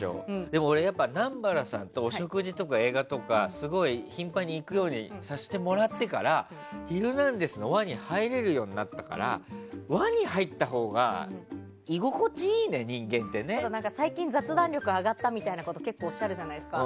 俺は南原さんとお食事とか映画とか頻繁に行くようにさせてもらってから「ヒルナンデス！」の輪に入れるようになったから最近、雑談力上がったみたいなこと結構、おっしゃるじゃないですか。